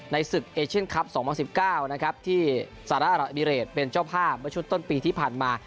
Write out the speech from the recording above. ศึกเอเชียนคลับ๒๐๑๙นะครับที่สหรัฐอรับิเรตเป็นเจ้าภาพเมื่อชุดต้นปีที่ผ่านมา